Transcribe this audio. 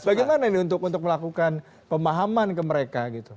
bagaimana ini untuk melakukan pemahaman ke mereka gitu